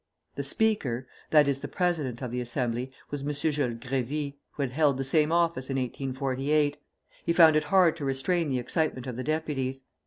The Speaker that is, the president of the Assembly was M. Jules Grévy, who had held the same office in 1848; he found it hard to restrain the excitement of the deputies.